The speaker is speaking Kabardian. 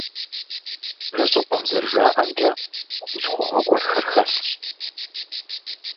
Мы щӀыпӀэм, зэрыжаӀэмкӀэ, хущхъуэгъуэ гуэрхэр хэлъщ.